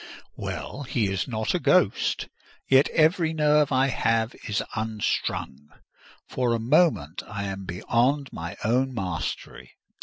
Well, he is not a ghost; yet every nerve I have is unstrung: for a moment I am beyond my own mastery.